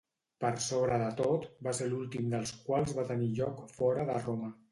Per sobre de tot, va ser l'últim dels quals va tenir lloc fora de Roma.